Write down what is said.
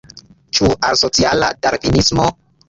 Ĉu al sociala darvinismo?